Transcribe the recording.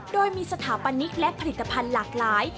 โดยมีสถาปนิกและผลิตภัณฑ์หลากหลาย